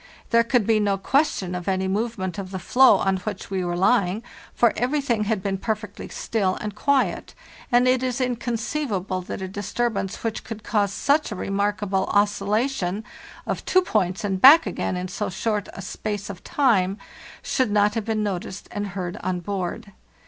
There could be no question of any disturbance of the floe on which we were lying; for everything had been perfectly still and quiet, and it is inconceivable that a disturbance which could cause such a remarkable oscilla 20 FARTHEST NORTH tion of two points and back again in so short a space of time should not have been noticed and heard on board.